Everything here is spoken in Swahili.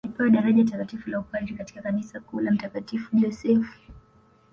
Alipewa daraja Takatifu la upadre katika kanisa kuu la mtakatifu Josefu